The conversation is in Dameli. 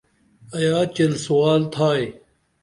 ایا چیل سُوال تھائی؟